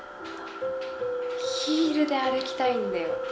ヒールで歩きたいんだよ